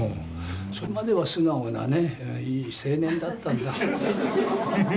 それまでは素直なね、いい青年だったんだ。